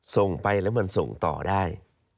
ส่งไปแล้วมันส่งต่อได้